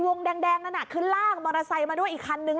วงแดงนั่นน่ะคือลากมอเตอร์ไซค์มาด้วยอีกคันนึง